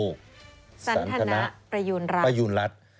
สันทนะประยุณรัฐ